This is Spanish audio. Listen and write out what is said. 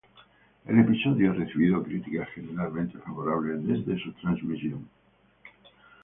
El episodio ha recibido críticas generalmente favorables desde su transmisión.